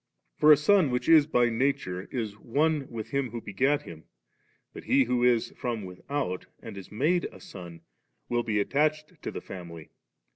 For a son which is by nature, is one • with him who begat him ; but he who is from without and 18 made a son, will be attached to the frunily.